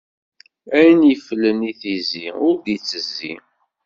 Ayen yiflen i tizi, ur d-itezzi.